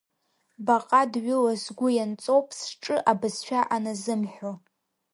Баҟадҩыла сгәы ианҵоуп, сҿы абызшәа аназымҳәо.